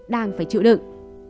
đang phải chịu đựng